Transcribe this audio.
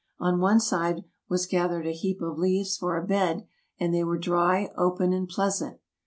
On one side was gathered a heap of leaves for a bed, and they were dry, open, and pleasant.